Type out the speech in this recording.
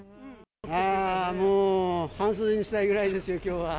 ああ、もう半袖にしたいぐらいですよ、きょうは。